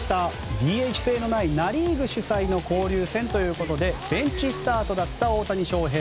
ＤＨ制のないナ・リーグ主催の交流戦ということでベンチスタートだった大谷翔平。